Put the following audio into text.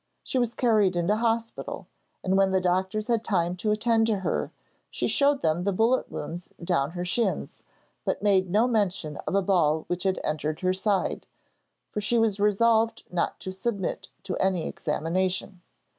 She was carried into hospital, and when the doctors had time to attend to her, she showed them the bullet wounds down her shins, but made no mention of a ball which had entered her side, for she was resolved not to submit to any examination.